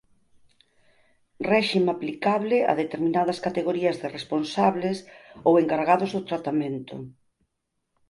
Réxime aplicable a determinadas categorías de responsables ou encargados do tratamento.